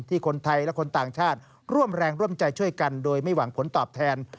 คนไทยและคนต่างชาติร่วมแรงร่วมใจช่วยกันโดยไม่หวังผลตอบแทน